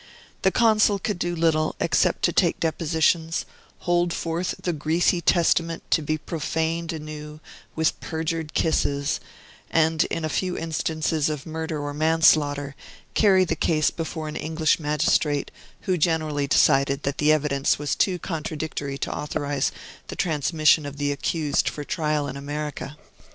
The Consul could do little, except to take depositions, hold forth the greasy Testament to be profaned anew with perjured kisses, and, in a few instances of murder or manslaughter, carry the case before an English magistrate, who generally decided that the evidence was too contradictory to authorize the transmission of the accused for trial in America.